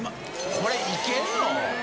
これいけるの？